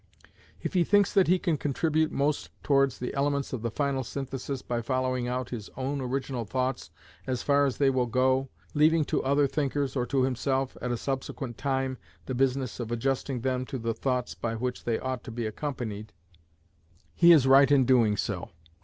If he thinks that he can contribute most towards the elements of the final synthesis by following out his own original thoughts as far as they will go, leaving to other thinkers, or to himself at a subsequent time, the business of adjusting them to the thoughts by which they ought to be accompanied, he is right in doing so.